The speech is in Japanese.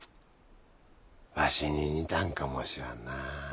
ワシに似たんかもしらんな。